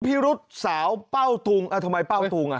พิรุษสาวเป้าทุงทำไมเป้าทุงอ่ะ